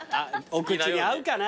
お口に合うかな？